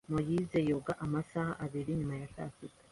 Moise yoga amasaha abiri nyuma ya saa sita.